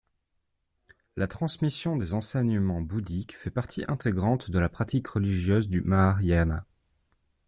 La transmission des enseignements bouddhiques fait partie intégrante de la pratique religieuse du Mahayana.